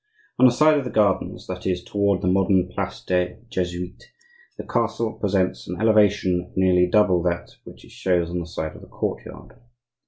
On the side of the gardens, that is, toward the modern place des Jesuites, the castle presents an elevation nearly double that which it shows on the side of the courtyard.